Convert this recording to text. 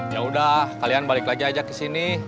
yaudah kalian balik lagi ajak kesini